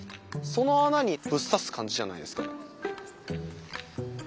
その穴にぶっさす感じじゃないですか。